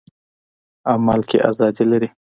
عمل کې ازادي لري.